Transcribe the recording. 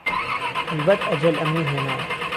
ههلبەت ئهجهل ئهمنی هێناوه